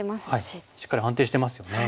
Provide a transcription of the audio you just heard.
しっかり安定してますよね。